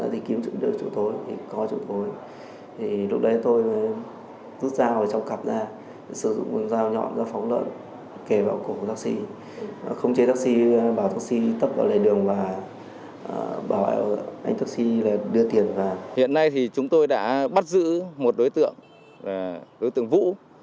trong khi đó đối tượng đã bắt giữ một đối tượng vũ